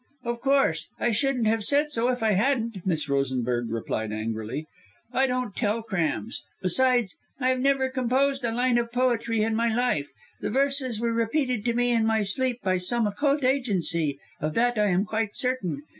"Of course! I shouldn't have said so if I hadn't," Miss Rosenberg replied angrily. "I don't tell crams. Besides, I've never composed a line of poetry in my life. The verses were repeated to me in my sleep by some occult agency of that I am quite certain.